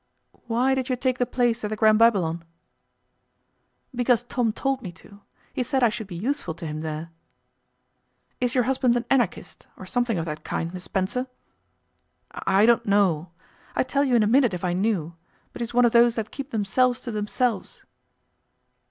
'Why did you take the place at the Grand Babylon?' 'Because Tom told me to. He said I should be useful to him there.' 'Is your husband an Anarchist, or something of that kind, Miss Spencer?' 'I don't know. I'd tell you in a minute if I knew. But he's one of those that keep themselves to themselves.